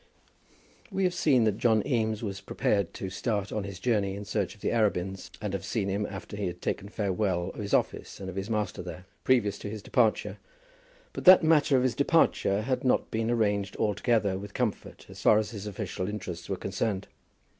We have seen that John Eames was prepared to start on his journey in search of the Arabins, and have seen him after he had taken farewell of his office and of his master there, previous to his departure; but that matter of his departure had not been arranged altogether with comfort as far as his official interests were concerned.